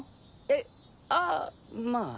えああまあ。